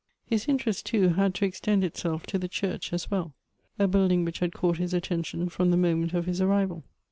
His interest too, had to extend itself to the church as well ; a building which had caught his attention from the moment of his arrival.